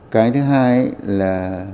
cái thứ hai là